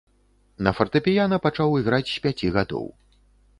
На фартэпіяна пачаў іграць з пяці гадоў.